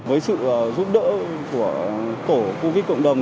với sự giúp đỡ của tổ covid cộng đồng